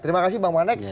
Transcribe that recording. terima kasih bang manek